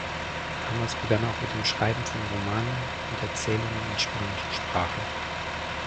Damals begann er auch mit dem Schreiben von Romanen und Erzählungen in spanischer Sprache.